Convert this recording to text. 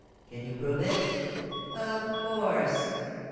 "Can you prove it?" "Of course."